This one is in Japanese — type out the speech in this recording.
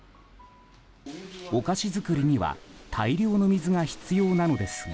お菓子作りには大量の水が必要なのですが。